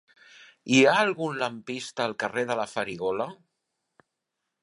Hi ha algun lampista al carrer de la Farigola?